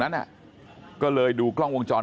สวัสดีครับคุณผู้ชาย